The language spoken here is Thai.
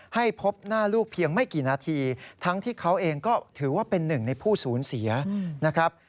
ให้พบหน้าลูกเพียงไม่กี่นาทีทั้งที่เขาเองก็ถือว่าเป็นหนึ่งในผู้สูญเสียนะครับ